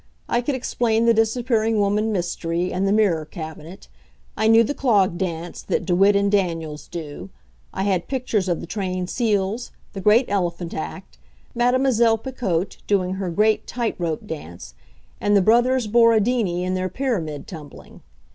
I could explain the disappearing woman mystery, and the mirror cabinet. I knew the clog dance that Dewitt and Daniels do. I had pictures of the trained seals, the great elephant act, Mademoiselle Picotte doing her great tight rope dance, and the Brothers Borodini in their pyramid tumbling.